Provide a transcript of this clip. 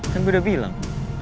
kan gue udah bilang